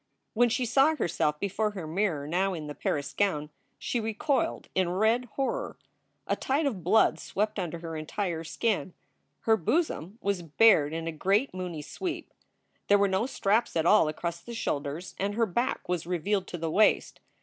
When she saw herself before her mirror now in the Paris gown she recoiled in red horror. A tide of blood swept under her entire skin. Her bosom was bared in a great moony sweep, there were no straps at all across the shoulders, and her back was revealed to the waist.